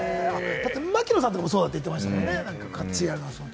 槙野さんなんかも、そうだって言ってましたよね。